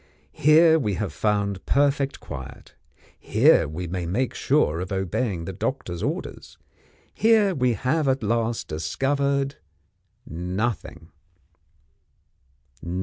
Here we have found perfect quiet; here we may make sure of obeying the doctor's orders; here we have at last discovered Nothing."